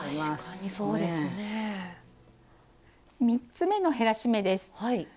３つ目の減らし目です。